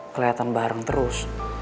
kelihatan bareng terus